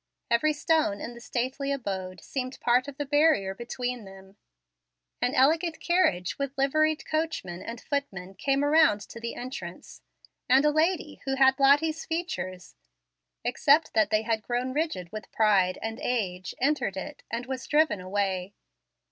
Every stone in the stately abode seemed part of the barrier between them. An elegant carriage with liveried coachman and footman came around to the entrance, and a lady who had Lottie's features, except that they had grown rigid with pride and age, entered it, and was driven away.